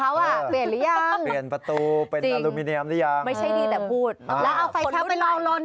เอาไฟแชทไปเราลนด้วย